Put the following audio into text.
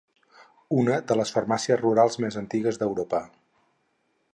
una de les farmàcies rurals més antigues d'Europa